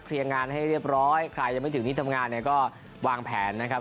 งานให้เรียบร้อยใครยังไม่ถึงที่ทำงานเนี่ยก็วางแผนนะครับ